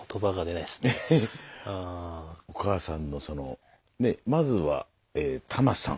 お母さんのそのまずはタマさん。